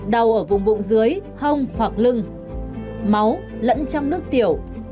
đau ở vùng bụng dưới hông hoặc lưng máu lẫn trong nước tiểu